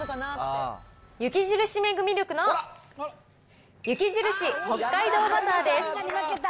雪印メグミルクの雪印北海道バターです。